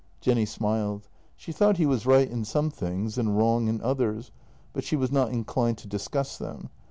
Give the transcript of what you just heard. Jenny smiled. She thought he was right in some things and wrong in others, but she was not inclined to discuss them.